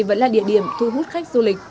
vẫn là địa điểm thu hút khách du lịch